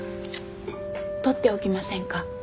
取っておきませんか？